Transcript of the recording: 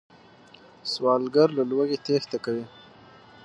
سوالګر له لوږې تېښته کوي